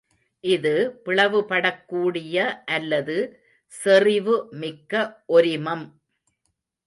இது பிளவுபடக்கூடிய அல்லது செறிவு மிக்க ஒரிமம்.